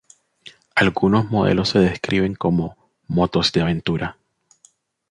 Algunos modelos se describen como "motos de aventura".